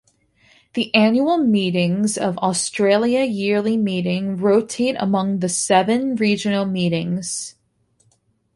The annual meetings of Australia Yearly Meeting rotate among the seven Regional Meetings.